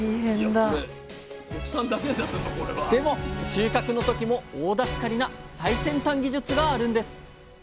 収穫の時も大助かりな最先端技術があるんです！